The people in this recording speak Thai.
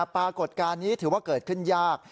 ปรากฏการณ์นี้ถือว่าเกิดขึ้นยาก